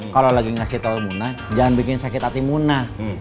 kalo lagi ngasih tau muna jangan bikin sakit hati muna